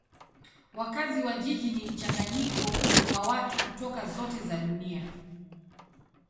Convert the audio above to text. Wakazi wa jiji ni mchanganyiko wa watu kutoka zote za dunia.